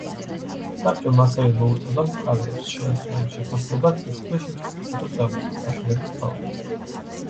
საბჭომ ასევე მოუწოდა მხარეებს, შეასრულონ შეთანხმება ცეცხლის შეწყვეტისა და ძალების დაშორების თაობაზე.